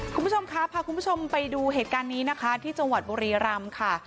คุณผู้ชมครับพาคุณผู้ชมไปดูเหตุการณ์นี้นะคะที่จังหวัดบุรีรำค่ะ